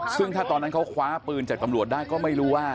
ซึ่งถ้าตอนนั้นเขาคว้าปืนจากตำรวจได้ก็ไม่รู้ว่า